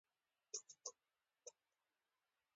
ازادي راډیو د چاپیریال ساتنه په اړه تاریخي تمثیلونه وړاندې کړي.